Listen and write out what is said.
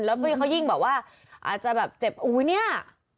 แล้วพี่เขายิ่งแบบว่าอาจจะแบบเจ็บอุ๊ยเนี่ย